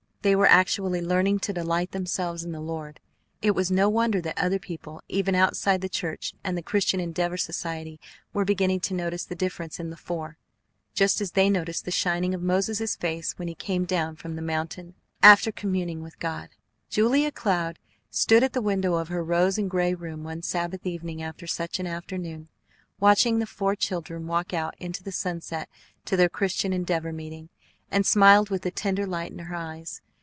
They were actually learning to delight themselves in the Lord. It was no wonder that other people, even outside the church and the Christian Endeavor Society, were beginning to notice the difference in the four, just as they noticed the shining of Moses's face when he came down from the mountain after communing with God. Julia Cloud stood at the window of her rose and gray room one Sabbath evening after such an afternoon, watching the four children walk out into the sunset to their Christian Endeavor meeting, and smiled with a tender light in her eyes.